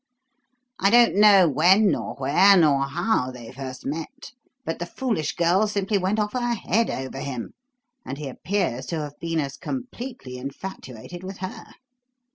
I don't know when nor where nor how they first met; but the foolish girl simply went off her head over him, and he appears to have been as completely infatuated with her.